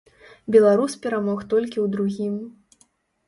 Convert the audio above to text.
Беларус перамог толькі ў другім.